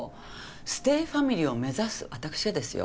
ステイファミリーを目指す私がですよ